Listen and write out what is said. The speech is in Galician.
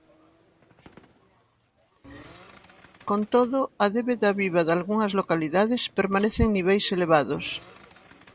Con todo, a débeda viva dalgunhas localidades permanece en niveis elevados.